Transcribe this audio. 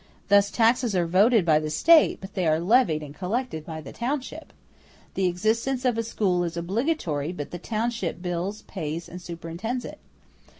Thus, taxes are voted by the State, but they are levied and collected by the township; the existence of a school is obligatory, but the township builds, pays, and superintends it.